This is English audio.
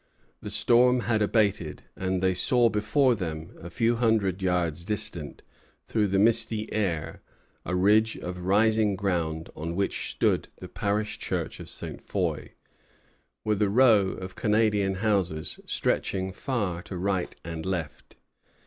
The storm had abated; and they saw before them, a few hundred yards distant, through the misty air, a ridge of rising ground on which stood the parish church of Ste. Foy, with a row of Canadian houses stretching far to right and left.